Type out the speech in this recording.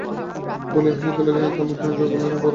বলিয়া হাসিতে লাগিলেন, তামাক টানিতে লাগিলেন, বড়োই আনন্দ বোধ হইল।